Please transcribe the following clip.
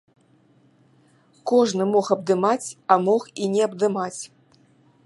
Кожны мог абдымаць, а мог і не абдымаць.